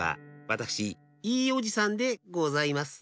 わたくしいいおじさんでございます。